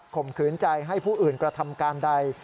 มขืนใจให้ผู้อื่นกระทำการใด